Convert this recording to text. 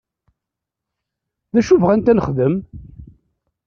D acu bɣant ad nexdem?